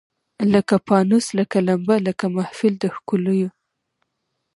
لکه پانوس لکه لمبه لکه محفل د ښکلیو